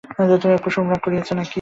কুসুম রাগ করিয়াছে না কি!